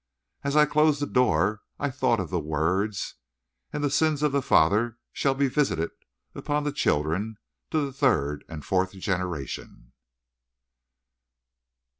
As I closed the door I thought of those words: "And the sins of the father shall be visited upon the children to the third and fourth generation."